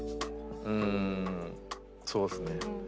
うーんそうですね。